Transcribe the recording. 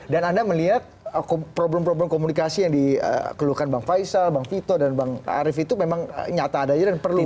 dan anda melihat problem problem komunikasi yang dikeluhkan bang faisal bang vito dan bang arief itu memang nyata ada aja dan perlu